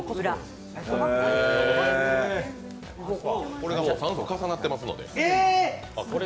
これが３層重なっていますので。